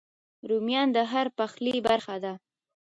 رومیان د هر پخلي برخه دي